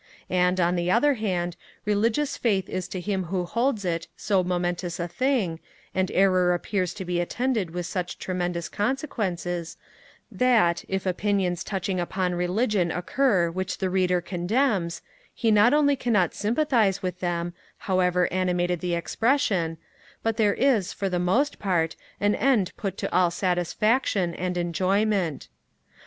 And, on the other hand, religious faith is to him who holds it so momentous a thing, and error appears to be attended with such tremendous consequences, that, if opinions touching upon religion occur which the Reader condemns, he not only cannot sympathize with them, however animated the expression, but there is, for the most part, an end put to all satisfaction and enjoyment.